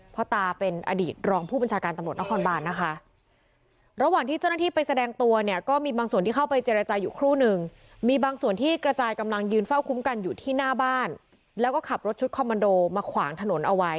พ่อตาเป็นอดีตรองผู้บัญชาการตำรวจอฮอลบาน